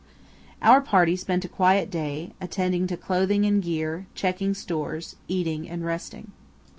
Our party spent a quiet day, attending to clothing and gear, checking stores, eating and resting.